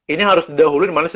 ini harus di dahului